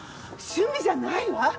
趣味じゃないわ！